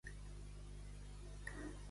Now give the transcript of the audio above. Que al cel sia!